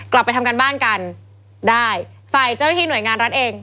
กลับไปทำการบ้านกันได้ฝ่ายเจ้าหน้าที่หน่วยงานรัฐเอง